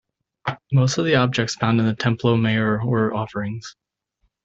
Most of the objects found in the Templo Mayor were offerings.